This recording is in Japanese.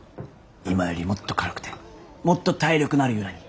今よりもっと軽くてもっと体力のある由良に。